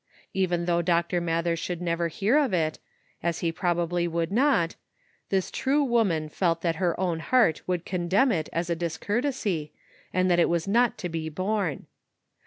Even though Dr. Mather should never hear of it, as he probably would not, this true woman felt that her own heart would condemn it as a discourtesy, and that was not to be borne.